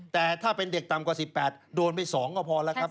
แต่ถ้าเป็นเด็กต่ำกว่า๑๘โดนไป๒ก็พอแล้วครับ